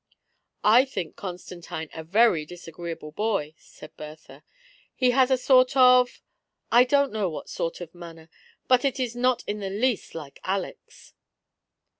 " I think Constantine a very disagreeable boy," said Bertha; "he has a sort of — I don't know what sort of manner, but it is not in the least like Aleck's.